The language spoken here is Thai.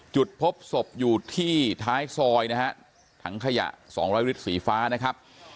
จุดพบศพอยู่ที่ท้ายซอยถังขยะ๒๐๐ลิตรสีฟ้า